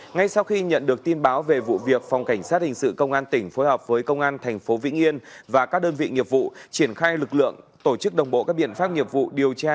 ngay sau khi nhận được tin báo về vụ việc phòng cảnh sát hình sự công an tỉnh phối hợp với công an tp vĩnh yên và các đơn vị nghiệp vụ triển khai lực lượng tổ chức đồng bộ các biện pháp nghiệp vụ điều tra